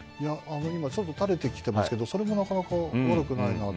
ちょっと垂れてきてますけどそれもなかなか悪くないなと。